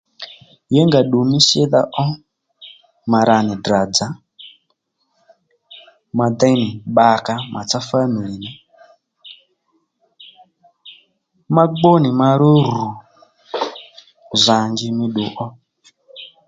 Yěnga ddù mí sídha ó ma ra nì Ddrà dzà ma déy bbakǎ màtsá famili nà ma gbú nì ma ró rù zanjí mí ddu ó